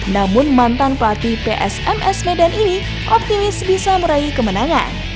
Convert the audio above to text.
namun mantan pelatih psms medan ini optimis bisa meraih kemenangan